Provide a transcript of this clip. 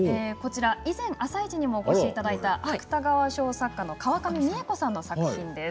以前「あさイチ」にもお越しいただいた芥川賞作家の川上未映子さんの作品です。